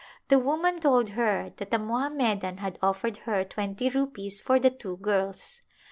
The woman told her that a Mohammedan had offered her twenty rupees for the two girls.